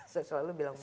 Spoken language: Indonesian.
saya selalu bilang begitu